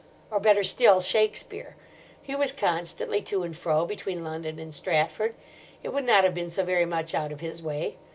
Or, better still, Shakespeare. He was constantly to and fro between London and Stratford. It would not have been so very much out of his way.